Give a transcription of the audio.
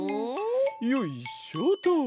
よいしょと。